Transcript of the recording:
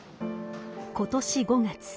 今年５月。